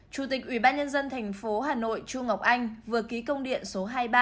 chủ tịch ủy ban nhân dân thành phố hà nội chu ngọc anh vừa ký công điện số hai mươi ba